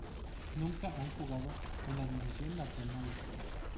Nunca han jugado en la Division Nationale.